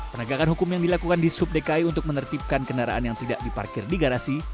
penegakan hukum yang dilakukan di sub dki untuk menertibkan kendaraan yang tidak diparkir di garasi